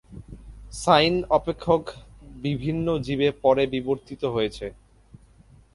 Sign অপেক্ষক বিভিন্ন জীবে পরে বিবর্তিত হয়েছে।